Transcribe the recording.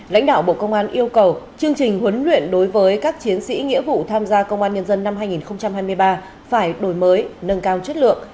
lãnh đạo bộ công an yêu cầu chương trình huấn luyện đối với các chiến sĩ nghĩa vụ tham gia công an nhân dân năm hai nghìn hai mươi ba phải đổi mới nâng cao chất lượng